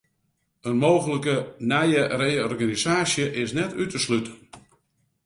In mooglike nije reorganisaasje is net út te sluten.